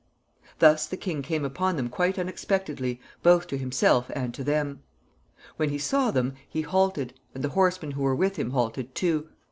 Thus the king came upon them quite unexpectedly both to himself and to them. When he saw them, he halted, and the horsemen who were with him halted too.